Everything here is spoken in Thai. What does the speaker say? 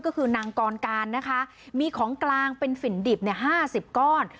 ก็คือนางกรการนะคะมีของกลางเป็นฝิ่นดิบ๕๐ก้อน